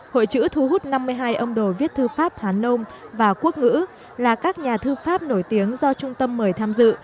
hội chữ thu hút năm mươi hai ông đồ viết thư pháp hàn nông và quốc ngữ là các nhà thư pháp nổi tiếng do trung tâm mời tham dự